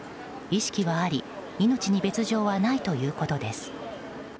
意識はあり命に別条はないということです。